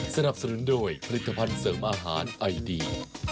สนับสนุนโดยผลิตภัณฑ์เสริมอาหารไอดี